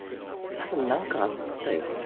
たぶん何かあったよね。